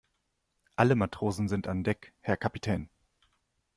Alle Matrosen sind an Deck, Herr Kapitän.